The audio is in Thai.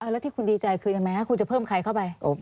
แล้วที่คุณดีใจคือทำไมคุณจะเพิ่มใครเข้าไป